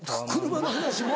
車の話も。